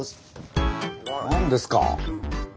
何ですか？